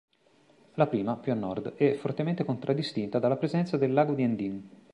La prima, più a nord, è fortemente contraddistinta dalla presenza del Lago di Endine.